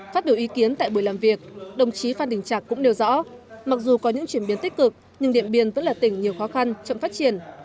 phát biểu ý kiến tại buổi làm việc đồng chí phan đình trạc cũng nêu rõ mặc dù có những chuyển biến tích cực nhưng điện biên vẫn là tỉnh nhiều khó khăn chậm phát triển